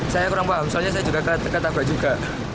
saya kurang paham soalnya saya juga kata kata juga